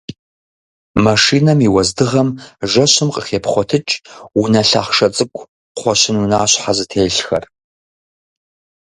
Машинэм и уэздыгъэм жэщым къыхепхъуэтыкӏ унэ лъахъшэ цӏыкӏу кхъуэщын унащхьэ зытелъхэр.